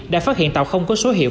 đã phát hiện tàu không có số hiệu